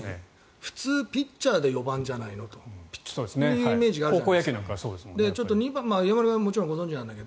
普通、ピッチャーで４番じゃないのというイメージがあるじゃないですか。